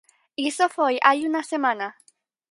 Iso foi hai unha semana.